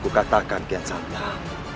kau akan menyerah